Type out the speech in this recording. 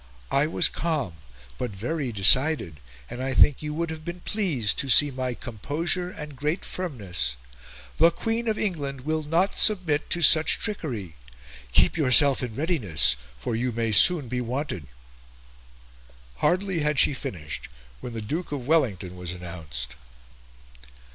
I was calm but very decided, and I think you would have been pleased to see my composure and great firmness; the Queen of England will not submit to such trickery. Keep yourself in readiness, for you may soon be wanted." Hardly had she finished when the Duke of Wellington was announced.